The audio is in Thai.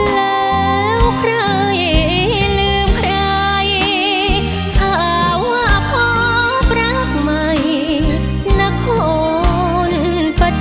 แล้วใครลืมใครถ้าว่าพบรักใหม่นักขนปธม